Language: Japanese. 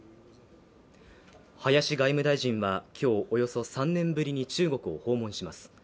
林外務大臣は今日、およそ３年ぶりに中国を訪問します。